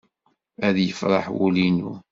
Ad yefreḥ wul-inu.